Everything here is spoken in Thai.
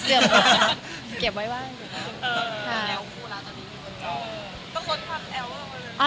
มีปิดฟงปิดไฟแล้วถือเค้กขึ้นมา